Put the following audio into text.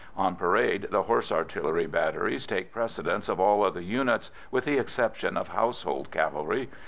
On parade the Horse Artillery batteries take precedence of all other units, with the exception of Household Cavalry.